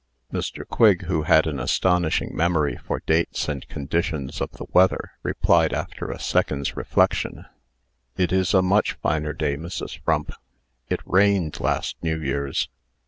Mr. Quigg, who had an astonishing memory for dates and conditions of the weather, replied, after a second's reflection: "It is a much finer day, Mrs. Frump. It rained last New Year's.